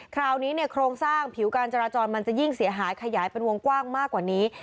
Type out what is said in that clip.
คราวนี้เนี่ยโครงสร้างผิวการจราจรมันจะยิ่งเสียหายขยายเป็นวงกว้างมากกว่านี้